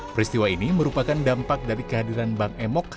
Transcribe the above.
peristiwa ini merupakan dampak dari kehadiran bank emok